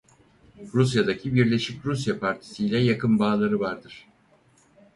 Rusya'daki Birleşik Rusya partisiyle yakın bağları vardır.